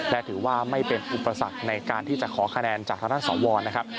และถือว่าไม่เป็นอุปสรรคในการที่จะขอคะแนนจากทางด้านสวรนะครับ